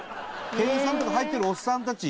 店員さんとか入ってるおっさんたち？